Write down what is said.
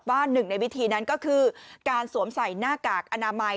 หนึ่งในวิธีนั้นก็คือการสวมใส่หน้ากากอนามัย